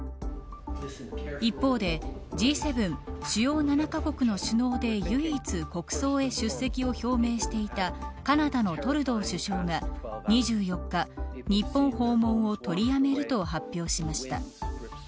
一方でＧ７、主要７カ国の首脳で唯一、国葬へ出席を表明していたカナダのトルドー首相が２４日日本訪問を取りやめると発表しました。